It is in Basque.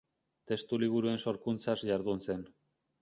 Testu liburuen sorkuntzan jardun zen.